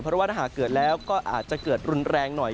เพราะว่าถ้าหากเกิดแล้วก็อาจจะเกิดรุนแรงหน่อย